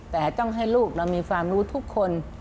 แต่ต้องให้ลูกเรามีความรู้ทุกคน